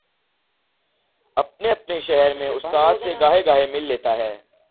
اپنے اپنے شہر میں استاد سے گاہے گاہے مل لیتا ہے۔